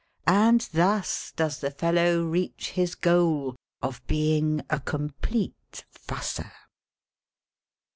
And thus does the fellow reach his goal of being a complete fusser.